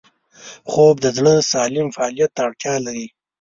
خوب د زړه سالم فعالیت ته اړتیا لري